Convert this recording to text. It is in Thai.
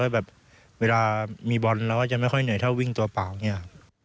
แบบเวลามีบอลแล้วจะไม่ค่อยเหนื่อยเท่าวิ่งตัวเปล่าเนี่ย